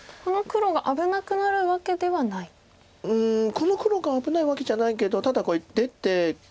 この黒が危ないわけじゃないけどただこれ出て。